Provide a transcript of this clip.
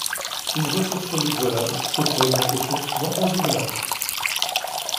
Une ressource renouvelable s'oppose à une ressource non renouvelable.